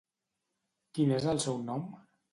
Quin és el seu nom?